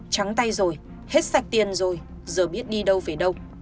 trắng tay rồi hết sạch tiền rồi giờ biết đi đâu về đâu